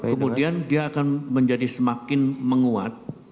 kemudian dia akan menjadi semakin menguat